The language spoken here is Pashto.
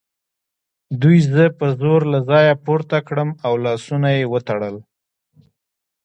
دوی زه په زور له ځایه پورته کړم او لاسونه یې وتړل